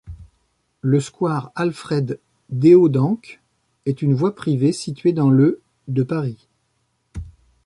Le square Alfred-Dehodencq est une voie privée située dans le de Paris.